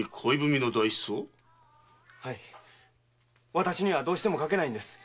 私にはどうしても書けないんです。